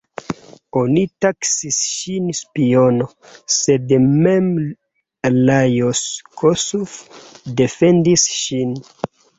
Oni taksis ŝin spiono, sed mem Lajos Kossuth defendis ŝin.